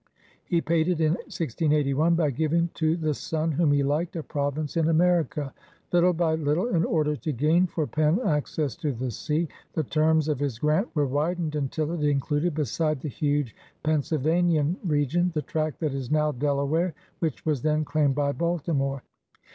He paid it in 1681 by giving to the son, whom he liked, a province in America. Little by little, in order to gain for Penn access to the sea, the terms of his grant were widened until it included, beside the huge Penn sylvanian region, the tract that is now Delaware, which was then claimed by Baltimore.